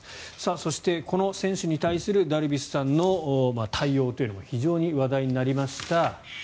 そして、この選手に対するダルビッシュさんの対応というのが非常に話題になりました。